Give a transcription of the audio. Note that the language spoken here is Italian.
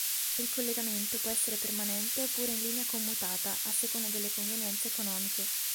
Il collegamento può essere permanente oppure in linea commutata, a seconda delle convenienze economiche.